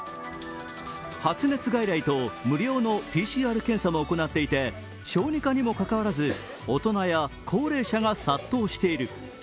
発熱外来と無料のＰＣＲ検査も行っていて小児科にもかかわらず、大人や高齢者が殺到している。